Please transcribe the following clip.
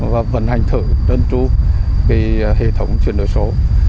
và vận hành thử đơn tru về hệ thống chuyển đổi số